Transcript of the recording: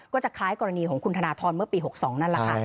ก็จะคล้ายกรณีของคุณธนทรเมื่อปี๖๒นั่นแหละค่ะ